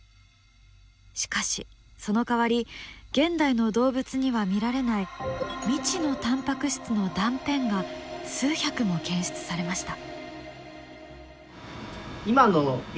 しかしそのかわり現代の動物には見られない未知のタンパク質の断片が数百も検出されました。